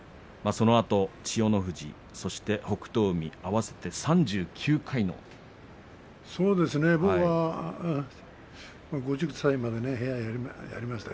そのあと千代の富士そして北勝海合わせて３９回の優勝力士を出しました。